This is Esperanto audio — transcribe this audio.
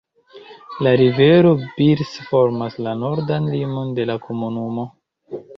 La rivero Birs formas la nordan limon de la komunumo.